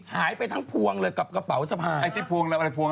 หายไปทั้งภวงเลยกับกระเป๋าสะพาน